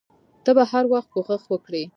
ته به هر وخت کوښښ وکړې.